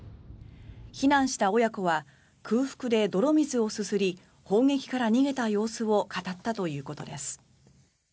避難した親子は空腹で泥水をすすり砲撃から逃げた様子を語ったということです。